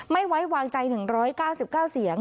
ไม่ไว้วางใจ๑๙๙เสียง